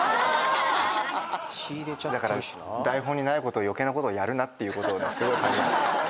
だから台本にないことを余計なことをやるなってことをすごく。